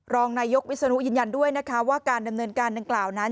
รองนายกวิศนุยืนยันด้วยนะคะว่าการดำเนินการดังกล่าวนั้น